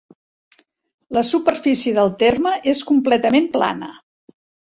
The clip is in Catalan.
La superfície del terme és completament plana.